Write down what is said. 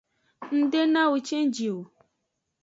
Ng de nawo cenji o.